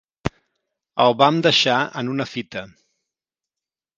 El vam deixar en una fita.